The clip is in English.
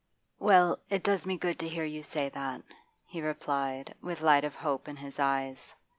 'Well, it does me good to hear you say that,' he replied, with light of hope in his eyes.